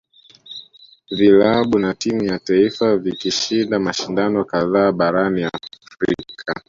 Vilabu na timu ya taifa vikishinda mashindano kadhaa barani Afrika